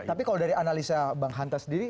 tapi kalau dari analisa bang hanta sendiri